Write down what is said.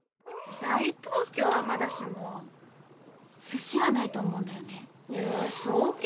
「大東京」はまだしも「寿司」はないと思うんだよねえーそうけ？